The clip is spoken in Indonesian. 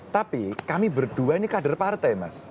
tapi kami berdua ini kader partai mas